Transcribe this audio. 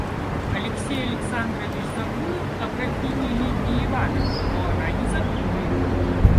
Алексей Александрович забыл о графине Лидии Ивановне, но она не забыла его.